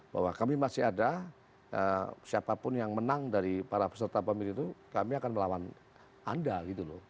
bahwa kami masih ada siapapun yang menang dari para peserta pemilu itu kami akan melawan anda gitu loh